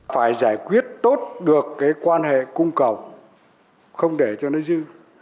phải giải quyết tốt được cái quan hệ cung cầu không để cho nó dư